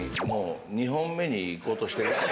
もう２本目に行こうとしてる。